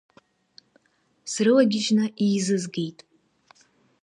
Срылагьежьны еизызгеит.